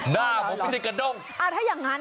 หน้าเขาไม่ได้กระด้ง